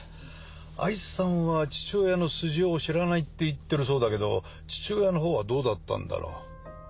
藍さんは父親の素性を知らないって言ってるそうだけど父親のほうはどうだったんだろう。